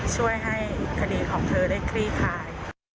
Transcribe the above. ช่วยให้คดีของเธอได้คลี่คลาย